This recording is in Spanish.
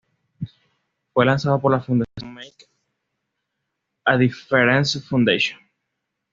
Fue lanzado por la fundación Make a Difference Foundation.